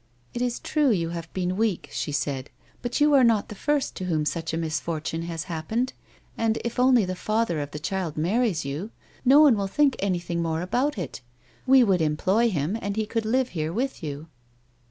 " It is true you have been weak," she said, " but you are not the first to whom such a misfortune has happened, and, if only the father of the child marries you, no one will think anything more about it ; we would employ him, and he could live here with you."